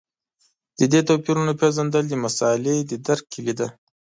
د دې توپیرونو پېژندل د مسألې د درک کیلي ده.